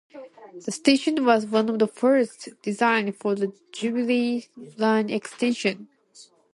The station was one of the first designed for the Jubilee Line Extension.